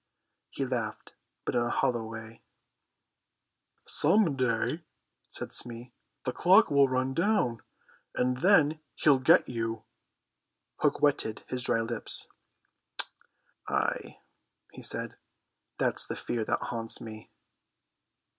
He laughed, but in a hollow way. "Some day," said Smee, "the clock will run down, and then he'll get you." Hook wetted his dry lips. "Ay," he said, "that's the fear that haunts me."